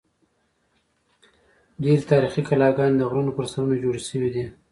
ډېری تاریخي کلاګانې د غرونو پر سرونو جوړې شوې دي.